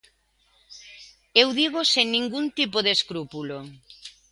Eu dígoo sen ningún tipo de escrúpulo.